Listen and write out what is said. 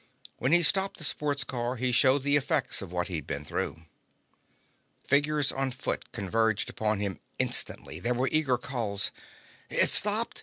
When he stopped the sports car he showed the effects of what he'd been through. Figures on foot converged upon him instantly. There were eager calls. "It's stopped?